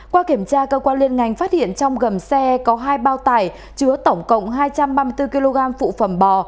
qua kiểm tra cơ quan liên ngành phát hiện trong gầm xe có hai bao tải chứa tổng cộng hai trăm ba mươi bốn kg phụ phẩm bò